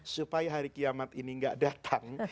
supaya hari kiamat ini gak datang